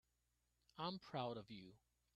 I'm proud of you.